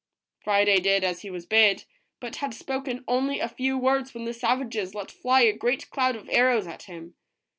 Friday did as he was bid, but had spoken only a few words when the savages let fly a great cloud of arrows at him.